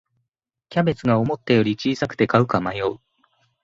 キャベツが思ったより小さくて買うか迷う